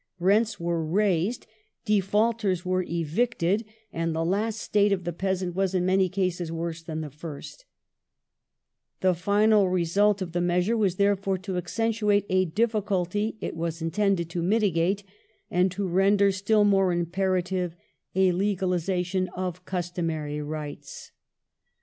142, qupted ap. O'Brien, Fifty Years, 1852] POOR LAW AMENDMENT ACT 187 were raised ; defaulters were evicted, and the last state of the peasant was in man y_ cases worse than the first. The final result of the measure was, therefore, to accentuate a difficulty it was intended to mitigate, and to render still more imperative a legalization of customary rights.